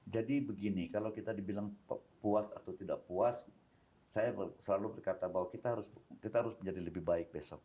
jadi begini kalau kita dibilang puas atau tidak puas saya selalu berkata bahwa kita harus menjadi lebih baik besok